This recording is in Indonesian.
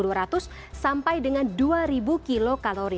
dari seribu dua ratus sampai dengan dua ribu kilo kalori